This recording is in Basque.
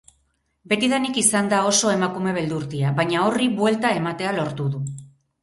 Betidanik izan da oso emakume beldurtia, baina horri buelta ematea lortu du.